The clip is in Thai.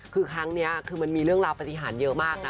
คือครั้งนี้คือมันมีเรื่องราวปฏิหารเยอะมากนะ